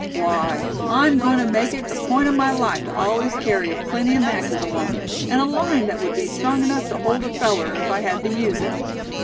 Why, I'm goin' to make it the point of my life to always carry a plenty of matches along; and a line that would be strong enough to hold a feller, if I had to use it.